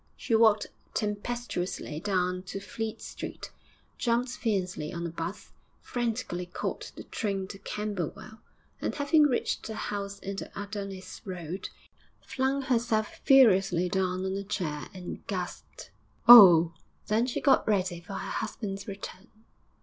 She walked tempestuously down to Fleet Street, jumped fiercely on a 'bus, frantically caught the train to Camberwell, and, having reached her house in the Adonis Road, flung herself furiously down on a chair and gasped, 'Oh!' Then she got ready for her husband's return.